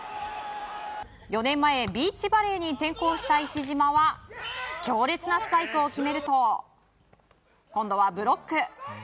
４年前ビーチバレーに転向した石島は強烈なスパイクを決めると今度はブロック。